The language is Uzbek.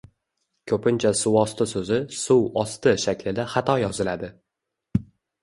Ko‘pincha suvosti so‘zi suv osti shaklida xato yoziladi.